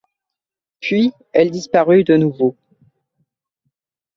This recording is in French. Puis, elle disparut de nouveau.